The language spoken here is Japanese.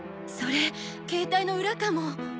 それ携帯の裏かも。